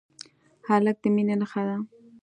هلک د مینې نښه ده.